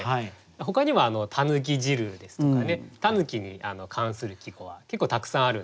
他にも「狸汁」ですとかね「狸」に関する季語は結構たくさんあるんですね。